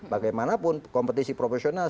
bagaimanapun kompetisi profesional